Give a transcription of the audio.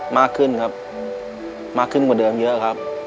มากขึ้นครับมากขึ้นกว่าเดิมเยอะครับ